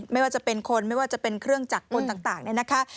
ไม่ว่าจะเป็นคนไม่ว่าจะเป็นเครื่องจักรกลต่างเนี่ยนะคะ